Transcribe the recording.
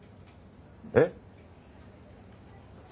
えっ？